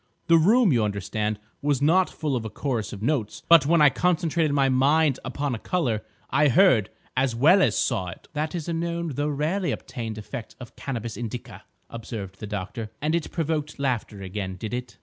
The room, you understand, was not full of a chorus of notes; but when I concentrated my mind upon a colour, I heard, as well as saw, it." "That is a known, though rarely obtained, effect of Cannabis indica," observed the doctor. "And it provoked laughter again, did it?"